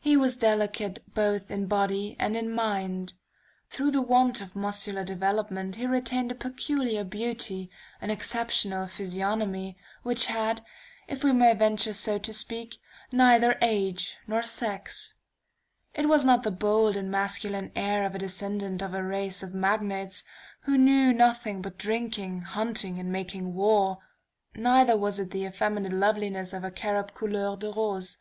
He was delicate both in body and in mind. Through the want of muscular development he retained a peculiar beauty, an exceptional physiognomy, which had, if we may venture so to speak, neither age nor sex. It was not the bold and masculine air of a descendant of a race of Magnates, who knew nothing but drinking, hunting and making war; neither was it the effeminate loveliness of a cherub couleur de rose.